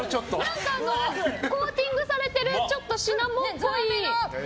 何かコーティングされてるシナモンっぽい。